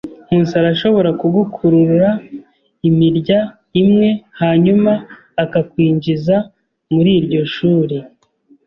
Nkusi arashobora kugukurura imirya imwe hanyuma akakwinjiza muri iryo shuri.